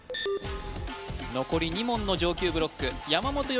残り２問の上級ブロック山本